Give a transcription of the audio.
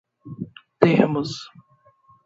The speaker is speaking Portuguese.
termos